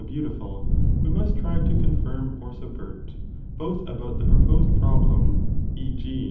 2.) beautiful, we must try to confirm or subvert, both about the proposed (problem), e. g.